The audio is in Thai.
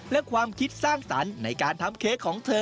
และความคิดสร้างสรรค์ในการทำเค้กของเธอ